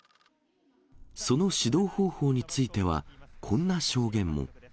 その指導方法については、こんな証言も。